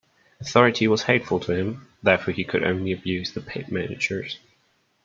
Authority was hateful to him, therefore he could only abuse the pit-managers.